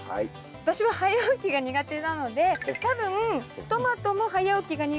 私は早起きが苦手なので多分トマトも早起きが苦手なので昼だと思います。